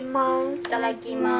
いただきます。